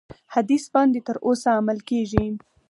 حدیث باندي تر اوسه عمل کیږي.